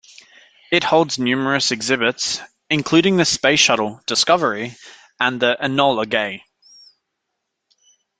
It holds numerous exhibits, including the Space Shuttle "Discovery" and the "Enola Gay".